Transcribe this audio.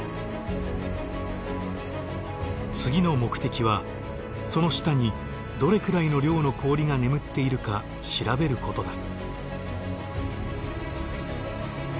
次の目的はその下にどれくらいの量の氷が眠っているか調べることだ。